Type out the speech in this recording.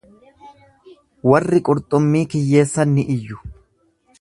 Warri qurxummii kiyyeessan ni iyyu.